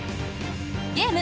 ゲーム